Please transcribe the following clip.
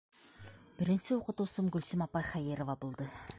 Беренсе уҡытыусым Гөлсөм апай Хәйерова булды.